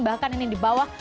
bahkan ini di bawah